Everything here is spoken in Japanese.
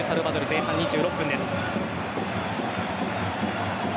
前半２６分です。